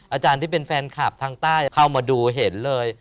อาจารย์ที่เป็นแฟนคลับทางใต้เข้ามาดูเห็นเลย